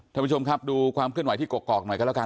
ท่านผู้ชมครับดูความเคลื่อนไหวที่กกอกหน่อยกันแล้วกัน